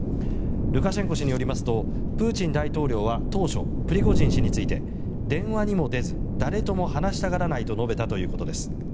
ルカシェンコ氏によりますとプーチン大統領は当初プリゴジン氏について電話にも出ず誰とも話したがらないと述べたということです。